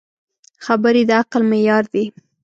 خبرې د عقل معیار دي.